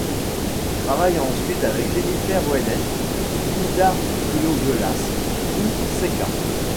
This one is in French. Il travaille ensuite avec Jennifer Welles, Linda Lovelace ou Seka.